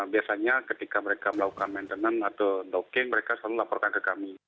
biasanya ketika mereka melakukan maintenance atau docking mereka selalu laporkan ke kami